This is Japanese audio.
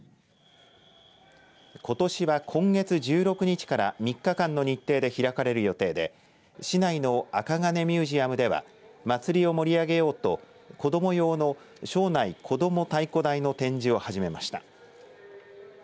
ことしは今月１６日から３日間の日程で開かれる予定で市内のあかがねミュージアムでは祭りを盛り上げようと子ども用の、庄内子供太鼓台の展示を始めました。